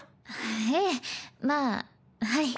ええまあはい。